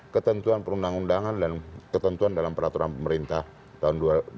ketentuan perundang undangan dan ketentuan dalam peraturan pemerintah tahun dua ribu dua puluh